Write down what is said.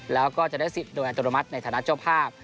แล้วก็จะได้สิทธิ์โดยอัตโนมัติในฐานะเจ้าภาพ